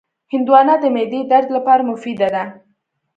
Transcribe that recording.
هندوانه د معدې درد لپاره مفیده ده.